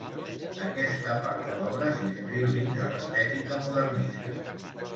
Aquesta part de l'obra s'inscriu dins de l'estètica modernista.